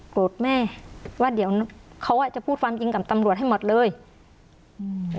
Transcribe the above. โกรธแม่ว่าเดี๋ยวเขาอ่ะจะพูดความจริงกับตำรวจให้หมดเลยอืม